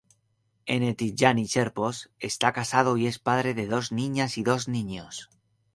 N. Tidjani-Serpos está casado y es padre de dos niñas y dos niños.